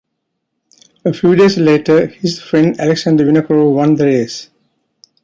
A few days later, his friend Alexander Vinokourov won the race.